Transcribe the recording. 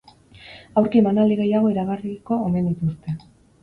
Aurki emanaldi gehiago iragarriko omen dituzte.